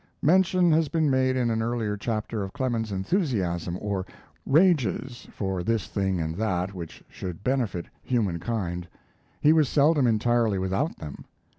Mention has been made in an earlier chapter of Clemens's enthusiasms or "rages" for this thing and that which should benefit humankind. He was seldom entirely without them.